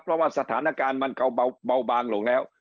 เพราะว่าสถานการณ์มันก็เบาบางลงแล้ว